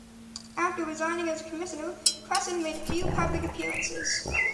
After resigning as a commissioner, Cresson made few public appearances.